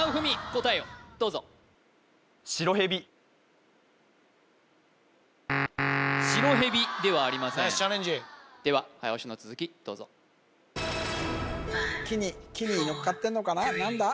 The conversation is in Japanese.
答えをどうぞ白ヘビではありませんでは早押しの続きどうぞ木にのっかってんのかな何だ？